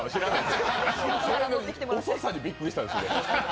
遅さにびっくりしたんですけど。